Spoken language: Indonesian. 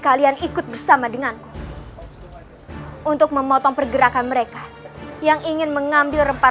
kalian ikut bersama denganku untuk memotong pergerakan mereka yang ingin mengambil rempah